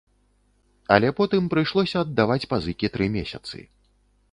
Але потым прыйшлося аддаваць пазыкі тры месяцы.